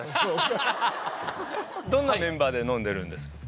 どんなメンバーで飲んでます？